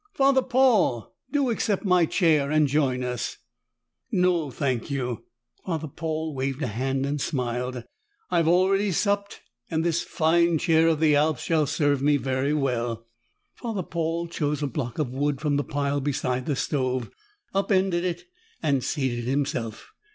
"Father Paul! Do accept my chair and join us!" "No, thank you." Father Paul waved a hand and smiled. "I have already supped and this fine chair of the Alps shall serve me very well." Father Paul chose a block of wood from the pile beside the stove, upended it, and seated himself.